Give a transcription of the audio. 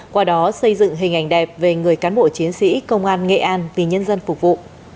qua đó xây dựng hình ảnh đẹp về người cán bộ chiến sĩ công an nghệ an vì nhân dân phục vụ